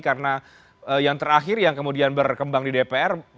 karena yang terakhir yang kemudian berkembang di dpr